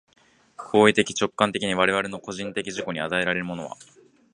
行為的直観的に我々の個人的自己に与えられるものは、